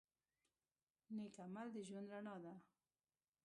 نیک عمل د ژوند رڼا ده.